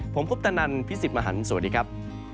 ผมพุทธนันพี่สิบมหันสวัสดีครับ